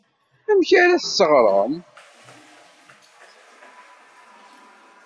Amek ara as-teɣrem?